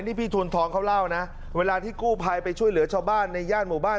นี่พี่ทวนทองเขาเล่านะเวลาที่กู้ภัยไปช่วยเหลือชาวบ้านในย่านหมู่บ้าน